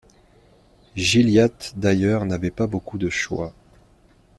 Gilliatt d’ailleurs n’avait pas beaucoup de choix.